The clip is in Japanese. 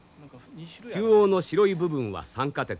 中央の白い部分は酸化鉄。